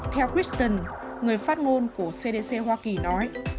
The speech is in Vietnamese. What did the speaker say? theo criston người phát ngôn của cdc hoa kỳ nói